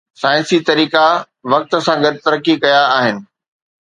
سائنسي طريقا وقت سان گڏ ترقي ڪيا آهن.